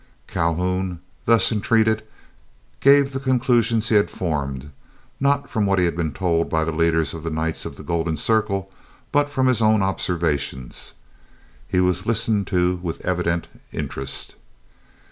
Calhoun, thus entreated, gave the conclusions he had formed, not from what had been told him by the leaders of the Knights of the Golden Circle, but from his own observations. He was listened to with evident interest.